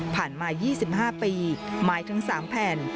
ผ่านมายี่สิบห้าปีไม้ทั้งสามแผ่น